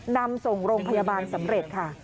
นำส่งโรงพยาบาลสำเร็จค่ะ